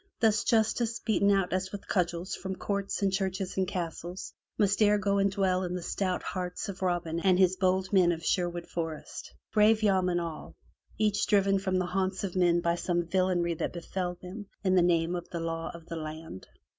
Thus Justice, beaten out as with cudgels from courts and churches and castles, must e*en go and dwell in the stout hearts of Robin Hood and his bold men of Sherwood Forest, brave yeomen all, each driven from the haunts of men by some villainy that befell them in the name of the law of the land.